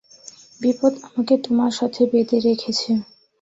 বিপদ আমাকে তোমার সাথে বেঁধে রেখেছে।